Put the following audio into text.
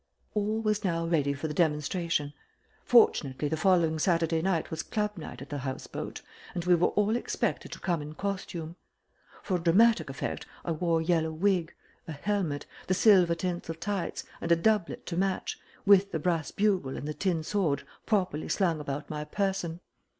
All was now ready for the demonstration. Fortunately the following Saturday night was club night at the House Boat, and we were all expected to come in costume. For dramatic effect I wore a yellow wig, a helmet, the silver tinsel tights, and a doublet to match, with the brass bugle and the tin sword properly slung about my person.